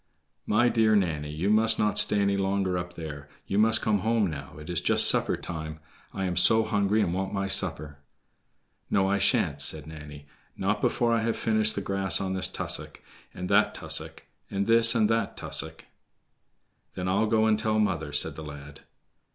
"My dear Nanny, you must not stay any longer up there; you must come home now, it is just supper time. I am so hungry and want my supper." "No, I sha'n't," said Nanny, "not before I have finished the grass on this tussock, and that tussock—and this and that tussock." "Then I'll go and tell mother," said the lad.